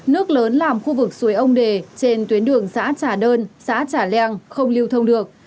nước lớn làm khu vực suối ông đề trên tuyến đường xã trả đơn xã trả leang không lưu thông được